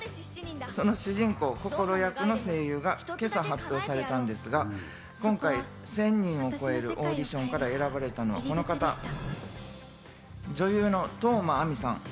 その主人公・こころ役の声優が今朝発表されたんですが、今回１０００人を超えるオーディションから選ばれたのはこの方、女優の當真あみさん。